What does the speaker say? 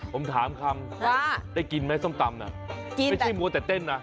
ผมถามคำว่าได้กินไหมส้มตำน่ะไม่ใช่มัวแต่เต้นนะ